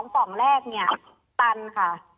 ปล่องแรกเนี่ยตันค่ะ